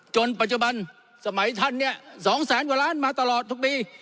จนปัจจุบันสมัยท่านเนี่ย๒แสนกว่าล้านมาตลอดทุกปี